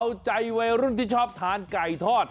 เอาใจวัยรุ่นที่ชอบทานไก่ทอด